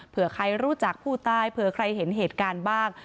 เผื่อใครรู้จักผู้ตายเผื่อใครเห็นเหตุการณ์บ้าง